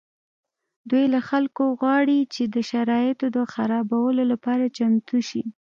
دوی له خلکو غواړي چې د شرایطو د خرابولو لپاره چمتو شي